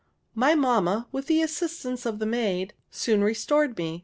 My mamma, with the assistance of the maid, soon restored me.